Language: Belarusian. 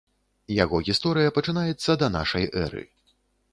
Яго гісторыя пачынаецца да нашай эры.